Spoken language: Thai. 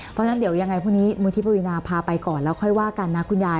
เพราะฉะนั้นเดี๋ยวยังไงพรุ่งนี้มูลที่ปรินาพาไปก่อนแล้วค่อยว่ากันนะคุณยาย